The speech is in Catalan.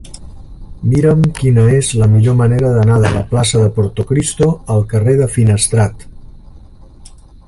Mira'm quina és la millor manera d'anar de la plaça de Portocristo al carrer de Finestrat.